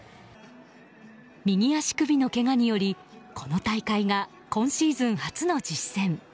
右足首のけがによりこの大会が今シーズン初の実戦。